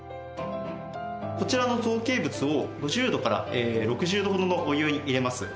こちらの造形物を５０度から６０度ほどのお湯に入れます。